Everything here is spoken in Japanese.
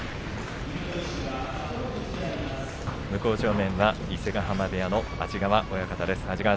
向正面は伊勢ヶ濱部屋の安治川親方です。